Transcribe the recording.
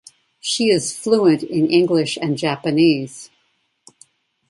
She is fluent is English and Japanese.